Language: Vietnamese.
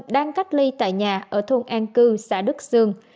đang cách ly tại nhà ở thôn an cư xã đức sương